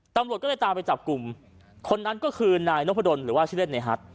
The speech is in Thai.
ตำรวจก็เลยตามไปจับกลุ่มคนนั้นก็คือนายนพดลหรือว่าชื่อเล่นในฮัท